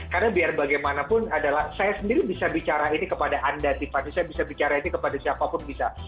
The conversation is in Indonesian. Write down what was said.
karena biar bagaimanapun adalah saya sendiri bisa bicara ini kepada anda tiffany saya bisa bicara ini kepada siapapun bisa